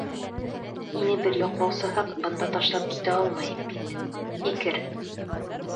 Һине бер яҡлаусыһыҙ бында ташлап китә алмайым бит. һикер!